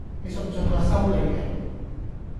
你信唔信我收你皮